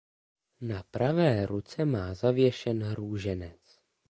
Na pravé ruce má zavěšen růženec.